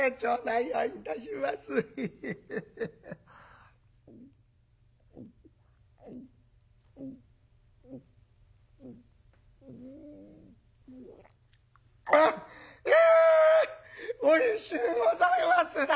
「いやおいしゅうございますな。ハハハ。